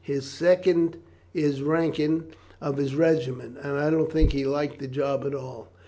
His second is Rankin, of his regiment; and I don't think he liked the job at all.